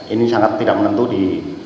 ini sangat tidak menentu di